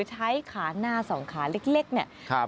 ใช้ขาหน้าสองขาเล็กเนี่ย